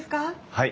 はい。